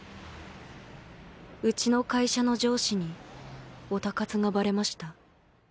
うちの会社の上司にオタ活がバレました